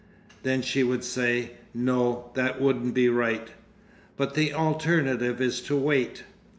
Then she would say, "No! That wouldn't be right." "But the alternative is to wait!"